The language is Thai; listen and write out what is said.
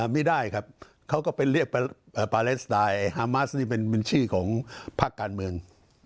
ไม่ได้ครับเขาก็เป็นเรียกฮามาสเป็นชื่อของภาคการเมือง